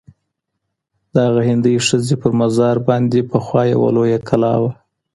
د هغه هندۍ ښځي پر مزار باندي پخوا یوه لویه کلا وه.